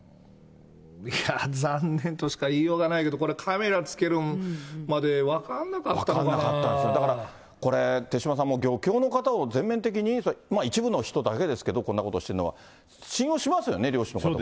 いやぁ、残念としか言いようがないけど、これ、カメラつけるだからこれ、手嶋さん、漁協の方を全面的に、一部の人だけですけど、こんなことをしてるのは、信用しますよね、漁師の方とか。